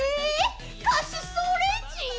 カシスオレンジ？